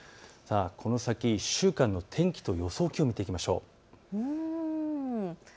この先１週間の天気と予想気温を見ていきましょう。